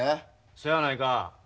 そやないか。